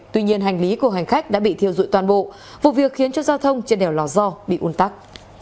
tuy nhiên hành lý của hành khách đã bị thiêu dụi toàn bộ vụ việc khiến cho giao thông trên đèo lò so bị un tắc